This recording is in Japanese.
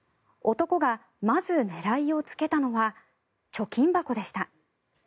男がまず狙いをつけたのは貯金箱でした。